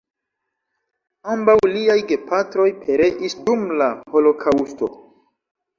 Ambaŭ liaj gepatroj pereis dum la Holokaŭsto.